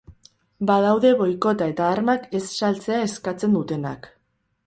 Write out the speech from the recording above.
Badaude boikota eta armak ez saltzea eskatzen dutenak.